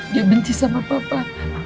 dia benci sama papa